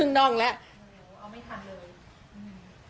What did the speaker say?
เออออกไม่ทันเลย